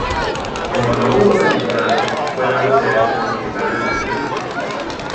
Como no hubo daños graves, fue dado de alta del hospital al día siguiente.